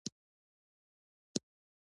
د ننګرهار په تور غره کې تالک یا تباشیر شته.